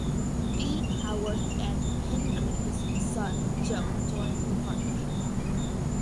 B. Howarth and Pingree's son Joe joined the partnership.